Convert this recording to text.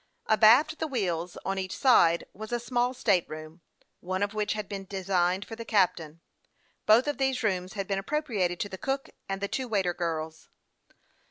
Abaft the wheels, on each side, was a small state room, one of which had been designed for the captain. Both of these rooms had been appropriated to the cook and the two waiter girls.